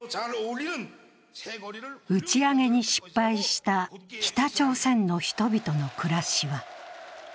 打ち上げに失敗した北朝鮮の人々の暮らしは。